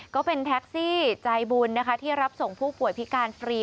ก็เป็นแท็กซี่ใจบุญนะคะที่รับส่งผู้ป่วยพิการฟรี